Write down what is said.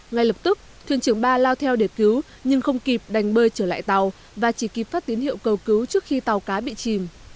ngay lập tức thuyền trưởng ba lao theo để cứu nhưng không kịp đành bơi trở lại tàu và chỉ kịp phát tín hiệu cầu cứu trước khi tàu cá bị chìm